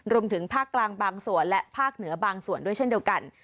รวมถึงภาคกลางบางส่วนและภาคเหนือบางส่วนด้วยเช่นเดียวกัน